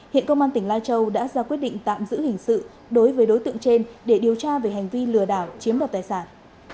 hiện công an tỉnh lai châu đã ra quyết định tạm giữ hình sự đối với đối tượng trên để điều tra về hành vi lừa đảo chiếm đoạt tài sản